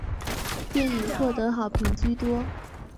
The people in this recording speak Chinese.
电影获得好评居多。